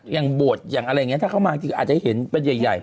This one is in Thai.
อย่างบวชอย่างอะไรอย่างนี้ถ้าเข้ามาจริงอาจจะเห็นเป็นใหญ่